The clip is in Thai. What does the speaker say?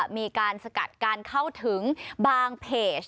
มีการสกัดการเข้าถึงบางเพจ